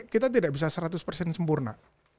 kita tidak bisa seratus persen sempurna